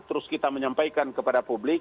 terus kita menyampaikan kepada publik